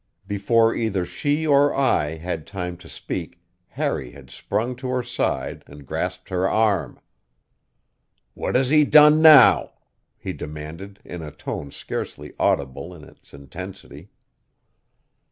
Before either she or I had time to speak Harry had sprung to her side and grasped her arm. "What has he done now?" he demanded in a tone scarcely audible in its intensity.